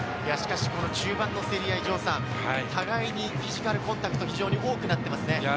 中盤の競り合い、互いにフィジカルコンタクト、非常に多くなっていますね。